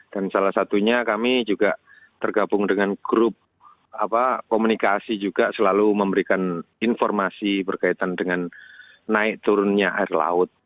dan salah satunya kami juga tergabung dengan grup komunikasi juga selalu memberikan informasi berkaitan dengan naik turunnya air laut